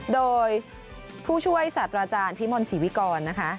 โดยผู้ช่วยศาสตราจารย์พิมลศรีวิกรนะคะ